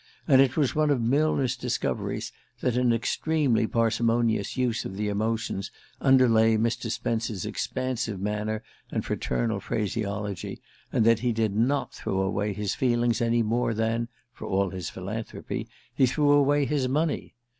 And it was one of Millner's discoveries that an extremely parsimonious use of the emotions underlay Mr. Spence's expansive manner and fraternal phraseology, and that he did not throw away his feelings any more than (for all his philanthropy) he threw away his money.